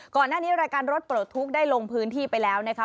ก่อนหน้านี้รายการรถโปรดทุกข์ได้ลงพื้นที่ไปแล้วนะคะ